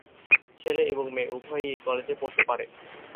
ছেলে এবং মেয়ে উভয়ই এই কলেজে পড়তে পারে।